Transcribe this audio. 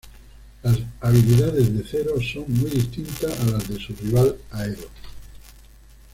Las habilidades de Zero son muy distintas a las de su rival, Aero.